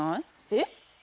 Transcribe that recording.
えっ？